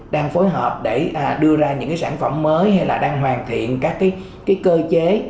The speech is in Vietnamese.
đang phối hợp để đưa ra những sản phẩm mới hay là đang hoàn thiện các cơ chế